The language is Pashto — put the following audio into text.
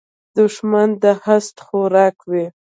دښمن د حسد خوراک وي